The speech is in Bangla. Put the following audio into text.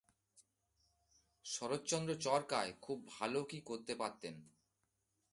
শরৎচন্দ্র চরকায় খুব ভাল কি করতে পারতেন?